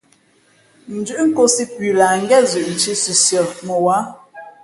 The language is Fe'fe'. Ndʉ́ʼ nkōsī pʉ lah ngén zʉʼ nthī sʉsʉα mα wǎ.